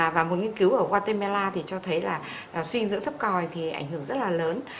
và một nghiên cứu ở guatemala thì cho thấy là suy giữ thấp còi thì ảnh hưởng rất là lớn